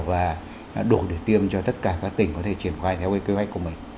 và đủ để tiêm cho tất cả các tỉnh có thể triển khai theo kế hoạch của mình